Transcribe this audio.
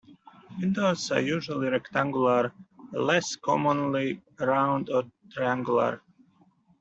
Windows are usually rectangular, less commonly round or triangular.